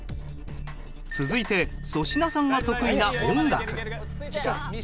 続いて粗品さんが得意な音楽。